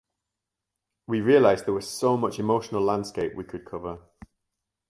We realized there was so much emotional landscape we could cover.